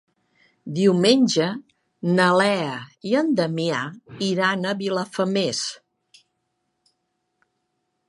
Diumenge na Lea i en Damià iran a Vilafamés.